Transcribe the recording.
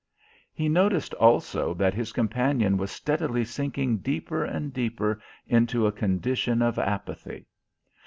He noticed also that his companion was steadily sinking deeper and deeper into a condition of apathy.